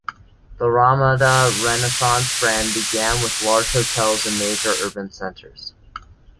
The Ramada Renaissance brand began with large hotels in major urban centers.